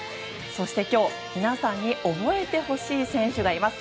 そして今日、皆さんに覚えてほしい選手がいます。